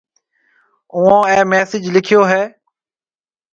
اُوئون اَي مسِج لکيو هيَ۔